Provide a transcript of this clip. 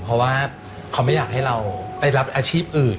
เพราะว่าเขาไม่อยากให้เราไปรับอาชีพอื่น